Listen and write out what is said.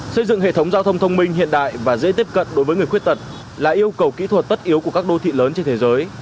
xây dựng hệ thống giao thông thông minh hiện đại và dễ tiếp cận đối với người khuyết tật là yêu cầu kỹ thuật tất yếu của các đô thị lớn trên thế giới